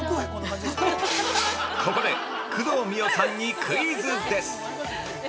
◆ここで工藤美桜さんにクイズです。